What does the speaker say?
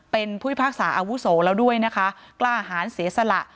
เป็นผู้พิพากษาอาวุโสแล้วด้วยนะคะกล้าหารเสียสละ